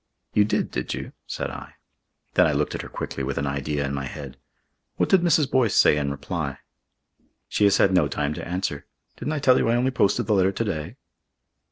"You did, did you?" said I. Then I looked at her quickly, with an idea in my head. "What did Mrs. Boyce say in reply?" "She has had no time to answer. Didn't I tell you I only posted the letter to day?"